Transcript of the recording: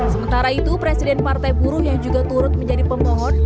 sementara itu presiden partai buruh yang juga turut menjadi pemohon